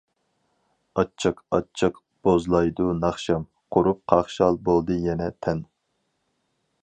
ئاچچىق-ئاچچىق بوزلايدۇ ناخشام، قۇرۇپ قاقشال بولدى يەنە تەن.